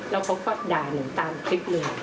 แล้วเขาก็ด่าหนูตามคลิปเลย